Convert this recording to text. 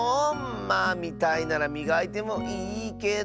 まあみたいならみがいてもいいけど。